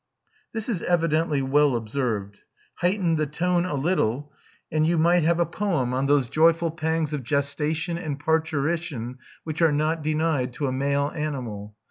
] This is evidently well observed: heighten the tone a little, and you might have a poem on those joyful pangs of gestation and parturition which are not denied to a male animal.